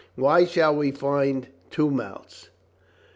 "Why shall we find two mouths?